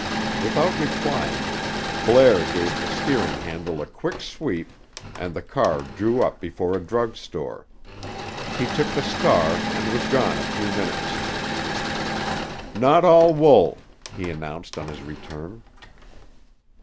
Without replying, Blair gave the steering handle a quick sweep, and the car drew up before a drug store. He took the star and was gone a few minutes. "Not all wool," he announced on his return.